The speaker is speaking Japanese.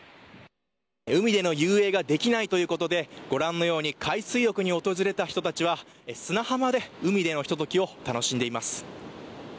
海での遊泳ができないということでご覧のように海水浴に訪れた人たちは砂浜で海でのひと時を楽しんでいます。